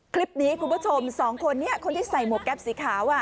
คลิปนี้คุณผู้ชมสองคนนี้คนที่ใส่หมวกแก๊ปสีขาว